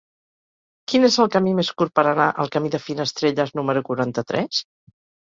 Quin és el camí més curt per anar al camí de Finestrelles número quaranta-tres?